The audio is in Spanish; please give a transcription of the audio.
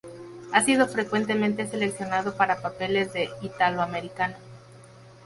Ha sido frecuentemente seleccionado para papeles de italoamericano.